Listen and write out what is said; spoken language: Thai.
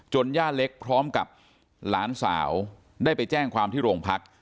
ย่าเล็กพร้อมกับหลานสาวได้ไปแจ้งความที่โรงพัก